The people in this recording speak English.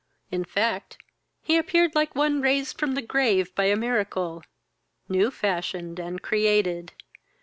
In fact, he appeared like one raised from the grave by a miracle, new fashioned and created.